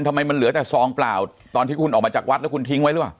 ทำไมมันเหลือแต่ซองเปล่าตอนที่คุณออกมาจากวัดแล้วคุณทิ้งไว้หรือเปล่า